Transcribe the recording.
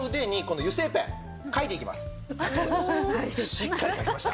しっかり書きました。